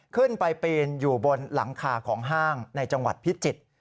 ปีนอยู่บนหลังคาของห้างในจังหวัดพิจิตร